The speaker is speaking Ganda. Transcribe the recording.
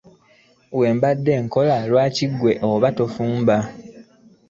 Bwe mba nkola lwaki ggwe oba tofumba?